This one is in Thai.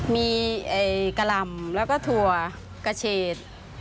มีกะหล่ำแล้วก็ถั่วกระเชษ